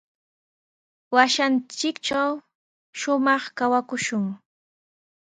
Wasinchiktraw shumaq kawakushun.